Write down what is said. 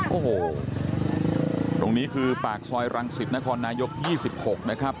โอ้โหตรงนี้คือปากซอยรังสิตนครนายก๒๖นะครับ